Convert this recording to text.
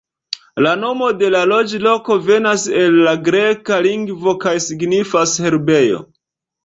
La nomo de la loĝloko venas el la greka lingvo kaj signifas "herbejo".